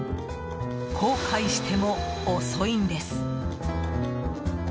後悔しても遅いんです。